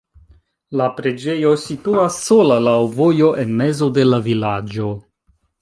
La preĝejo situas sola laŭ vojo en mezo de la vilaĝo.